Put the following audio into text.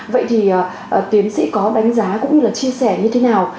vậy thì tiến sĩ có đánh giá cũng như là chia sẻ như thế nào